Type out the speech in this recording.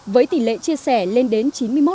với tỷ lệ chia sẻ lên đến chín mươi một